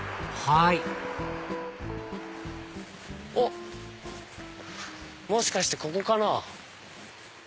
はいおっもしかしてここかな？